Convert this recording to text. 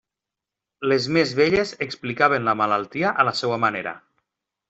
Les més velles explicaven la malaltia a la seua manera.